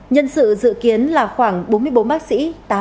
nhân sự dự kiến là khoảng bốn mươi bốn bác sĩ